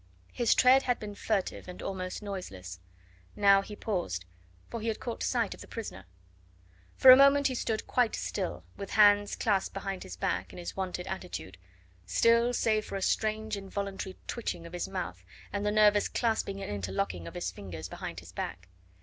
His tread had been furtive and almost noiseless. Now he paused, for he had caught sight of the prisoner. For a moment he stood quite still, with hands clasped behind his back in his wonted attitude still save for a strange, involuntary twitching of his mouth, and the nervous clasping and interlocking of his fingers behind his back.